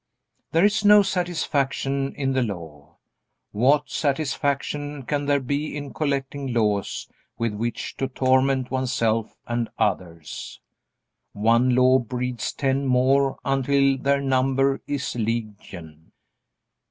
There is no satisfaction in the Law. What satisfaction can there be in collecting laws with which to torment oneself and others? One law breeds ten more until their number is legion.